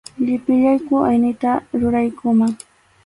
Llipillayku aynita ruraykuman.